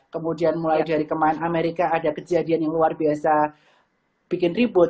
kemudian mulai dari kemarin amerika ada kejadian yang luar biasa bikin ribut